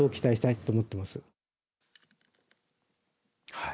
はい。